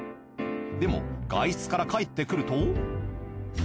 でも外出から帰ってくると。